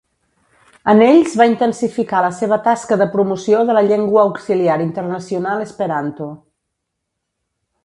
En ells va intensificar la seva tasca de promoció de la llengua auxiliar internacional esperanto.